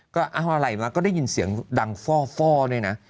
ก็เอาอะไรมาก็ได้ยินเสียงดังฟ่อด้วยนะ